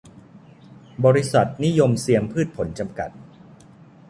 บริษัท นิยมเซียมพืชผล จำกัด